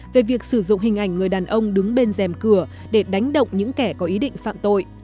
về việc sử dụng hình ảnh người đàn ông đứng bên dèm cửa để đánh động những kẻ có ý định phạm tội